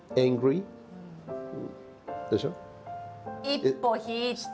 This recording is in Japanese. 一歩引いて。